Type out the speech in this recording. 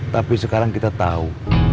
tapi sekarang kita tahu